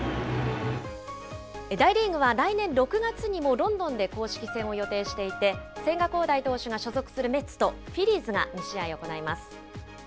大リーグは来年６月にもロンドンで公式戦を予定していて、千賀滉大投手が所属するメッツとフィリーズが２試合行います。